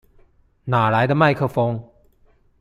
哪來的麥克風